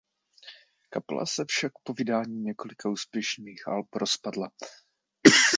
Kapela se však po vydání několika úspěšných alb rozpadla.